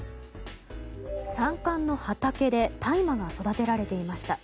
山間の畑で大麻が育てられていました。